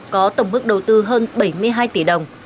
có tổng mức đầu tư hơn bảy mươi hai tỷ đồng